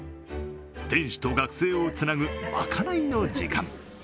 店主と学生をつなぐ賄いの時間。